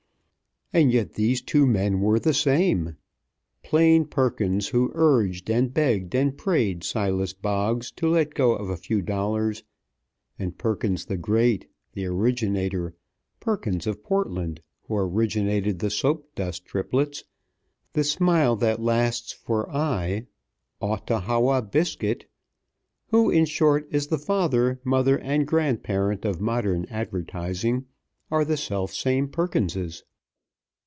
And yet these two men were the same. Plain Perkins, who urged and begged and prayed Silas Boggs to let go of a few dollars, and Perkins the Great, the Originator, Perkins of Portland, who originated the Soap Dust Triplets, the Smile that Lasts for Aye, Ought to hawa Biscuit, who, in short, is the father, mother, and grandparent of modern advertising, are the selfsame Perkinses.